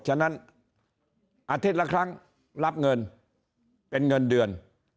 ฉะนั้นอาทิตย์ละครั้งรับเงินเป็นเงินเดือน